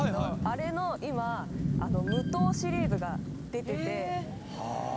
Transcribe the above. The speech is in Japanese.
あれの今無糖シリーズが出ててはあ